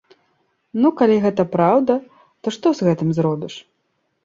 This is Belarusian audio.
Ну калі гэта праўда, то што з гэтым зробіш.